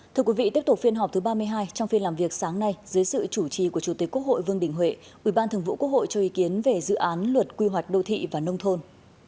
thưa quý vị tiếp tục phiên họp thứ ba mươi hai trong phiên làm việc sáng nay dưới sự chủ trì của chủ tịch quốc hội vương đình huệ ubnd cho ý kiến về dự án luật quy hoạch đô thị và nông thôn